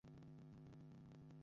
দুঃখিত, বাবা।